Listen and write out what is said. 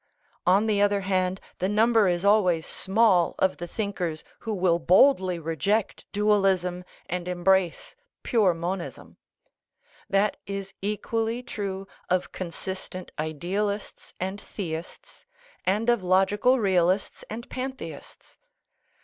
On the other hand, the number is always small of 382 CONCLUSION the thinkers who will boldly reject dualism and em brace pure monism. That is equally true of consist ent idealists and theists, and of logical realists and pantheists.